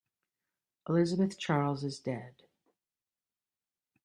Elizabeth Charles is dead.